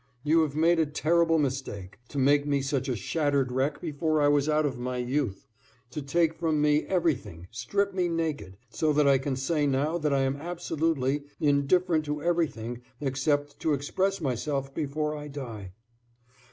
You have made a terrible mistake to make me such a shattered wreck before I was out of my youth; to take from me everything, strip me naked so that I can say now that I am absolutely indifferent to everything except to express myself before I die.